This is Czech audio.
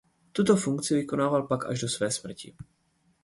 Tuto funkci vykonával pak až do své smrti.